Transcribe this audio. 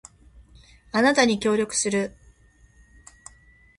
あなたに協力する